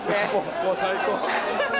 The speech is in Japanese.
もう最高。